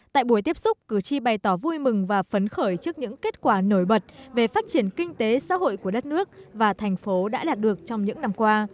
tại buổi tiếp xúc cử tri bày tỏ vui mừng và phấn khởi trước những kết quả nổi bật về phát triển kinh tế xã hội của đất nước và thành phố đã đạt được trong những năm qua